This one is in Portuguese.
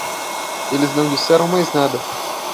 Eles não disseram mais nada.